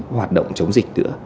hoạt động chống dịch nữa